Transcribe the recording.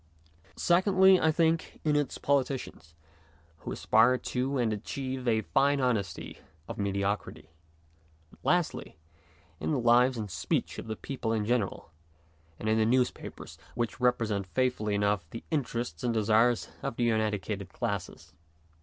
Secondly, I think, in its politicians, who aspire to and achieve a fine honesty of mediocrity ; and, lastly, in the lives and speech of the people in general, and in the newspapers, which represent faithfully enough the interests and desires of the uneducated classes.